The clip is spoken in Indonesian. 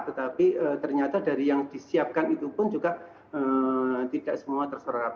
tetapi ternyata dari yang disiapkan itu pun juga tidak semua terserap